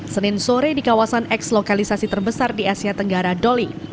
senin sore di kawasan eks lokalisasi terbesar di asia tenggara doli